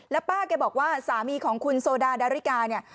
แล้วป้าแกบอกว่าสามีของคุณโซดาดาริกาเนี่ย